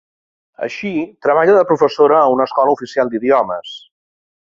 Així, treballa de professora a una Escola Oficial d'Idiomes.